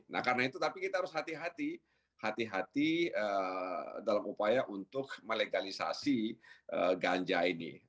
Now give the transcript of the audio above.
nah karena itu tapi kita harus hati hati hati hati dalam upaya untuk melegalisasi ganja ini